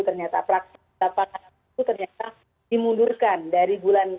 ternyata praksis dapatan itu ternyata dimundurkan dari bulan